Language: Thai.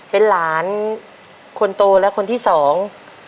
เป็นหลานคนโตและคนที่สอง